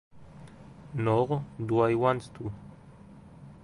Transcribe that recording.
Nor do I want to.